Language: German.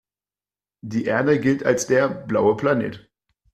Die Erde gilt als der „blaue Planet“.